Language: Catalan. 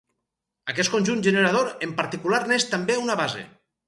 Aquest conjunt generador en particular n'és també una base.